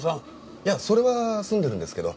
いやそれは済んでるんですけど。